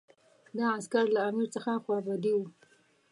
دا عسکر له امیر څخه خوابدي وو.